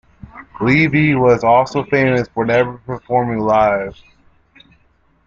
Leevi was also famous for never performing live.